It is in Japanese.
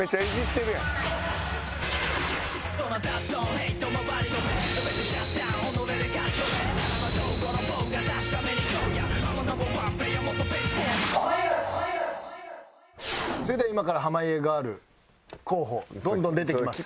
それでは今から濱家ガール候補どんどん出てきます。